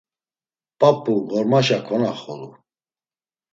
P̌ap̌u, ğormaşa ǩonaxolu.